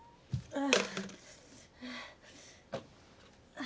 ああ。